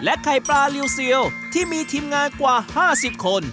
และไข่ปลาริวเซียวที่มีทีมงานกว่าห้าสิบคน